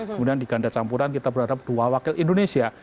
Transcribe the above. kemudian di ganda campuran kita berharap dua wakil indonesia